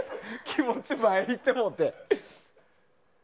気持ち前いってもうて。